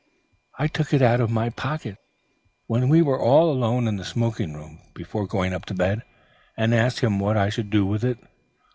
I took it out of my pocket when we were alone in the smoking room before going up to bed, and asked him what I should do with it.